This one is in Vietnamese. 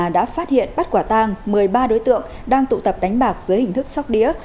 đã phát hiện bắt quả tang một mươi ba đối tượng đang tụ tập đánh bạc dưới hình thức sóc đĩa